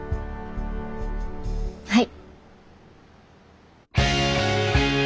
はい。